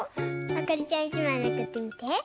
あかりちゃん１まいめくってみて。